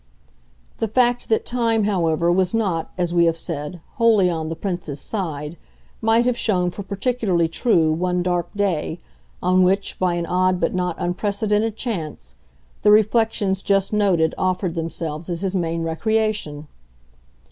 The fact that time, however, was not, as we have said, wholly on the Prince's side might have shown for particularly true one dark day on which, by an odd but not unprecedented chance, the reflections just noted offered themselves as his main recreation.